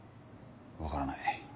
分からない。